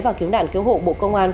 và kiếm nạn cứu hộ bộ công an